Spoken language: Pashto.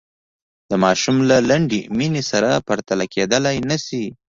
د ماشوم له لنډې مینې سره پرتله کېدلای نه شي.